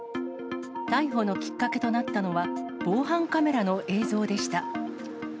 逮捕のきっかけとなったのは、防犯カメラの映像でした。